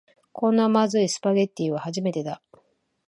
こんなまずいスパゲティは初めてだ